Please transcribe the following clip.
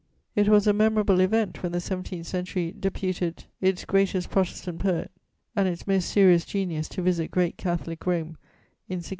It was a memorable event when the seventeenth century deputed its greatest Protestant poet and its most serious genius to visit great Catholic Rome in 1638.